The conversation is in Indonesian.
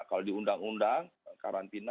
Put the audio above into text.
kalau diundang undang karantina